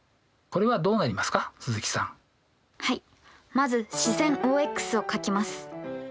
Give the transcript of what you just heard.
まず始線ＯＸを書きます。